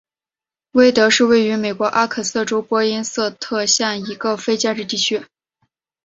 威德是位于美国阿肯色州波因塞特县的一个非建制地区。